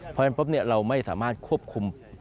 เพราะฉะนั้นปุ๊บเราไม่สามารถควบคุม